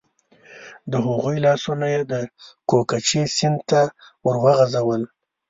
د هغوی لاسونه یې د کوکچې سیند ته ور وغورځول.